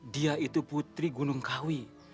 dia itu putri gunungkawi